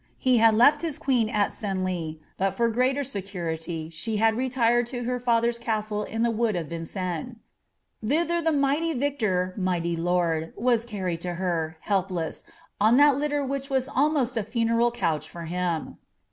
He had tefi his [|ueen nt Senlia, but for greater security she had retired to her father's Gastle in the wood of Vineennes; thiliier the " niighiy victor, mighty loni." was carrie<l to her, helpless, on that liner which was almost a (a aeikl couch to him.